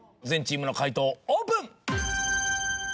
全チームの解答オープン！